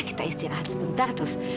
kita istirahat sebentar terus